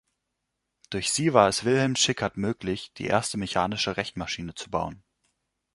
Durch sie war es Wilhelm Schickard möglich, die erste mechanische Rechenmaschine zu bauen.